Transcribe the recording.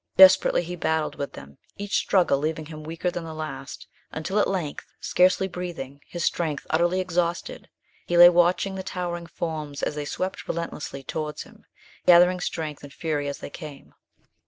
Desperately he battled with them, each struggle leaving him weaker than the last, until at length, scarcely breathing, his strength utterly exhausted, he lay watching the towering forms as they swept relentlessly towards him, gathering strength and fury as they came.